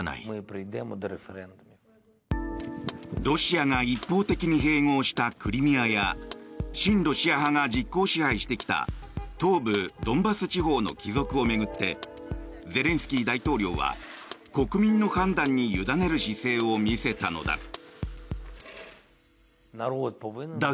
ロシアが一方的に併合したクリミアや親ロシア派が実効支配してきた東部ドンバス地方の帰属を巡ってゼレンスキー大統領は国民の判断に委ねる姿勢を見せたのだ。